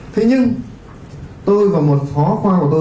thế nhưng tôi và một khó khăn của tôi